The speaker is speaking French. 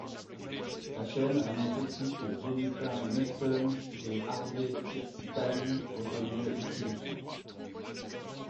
La chaîne annonce aussi que Jennifer Hudson et Harvey Fierstein rejoignait la distribution.